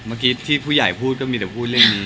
เมื่อกี้ที่ผู้ใหญ่พูดก็มีแต่พูดเรื่องนี้